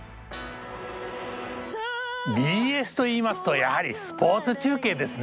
ＢＳといいますとやはりスポーツ中継ですね！